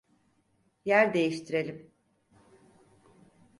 Yer değiştirelim.